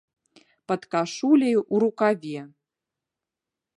Пад кашуляй, у рукаве.